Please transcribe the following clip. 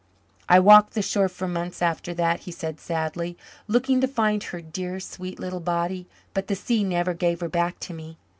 "I walked the shore for months after that," he said sadly, "looking to find her dear, sweet little body, but the sea never gave her back to me.